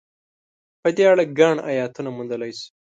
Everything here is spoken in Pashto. په دې اړه ګڼ ایتونه موندلای شو.